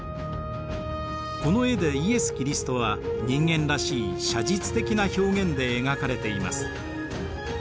この絵でイエス・キリストは人間らしい写実的な表現で描かれています。